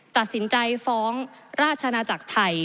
ตัดสินใจฟ้องราชนาจักรไทย